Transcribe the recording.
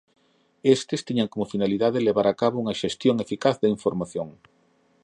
Estes tiñan como finalidade levar a cabo unha xestión eficaz da información.